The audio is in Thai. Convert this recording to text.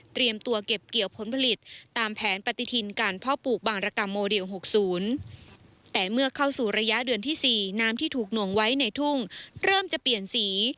ตัวเก็บเกี่ยวผลผลิตตามแผนปฏิทินการพ่อปลูกบางรกรรมโมเดล๖๐แต่เมื่อเข้าสู่ระยะเดือนที่๔น้ำที่ถูกหน่วงไว้ในทุ่งเริ่มจะเปลี่ยนสี